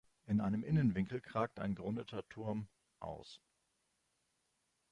In einem Innenwinkel kragt ein gerundeter Turm aus.